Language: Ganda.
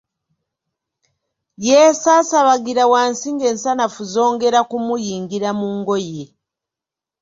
Yeesaasabagira wansi ng’ensanafu zongera kumuyingira mu ngoye.